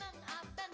ada apa pak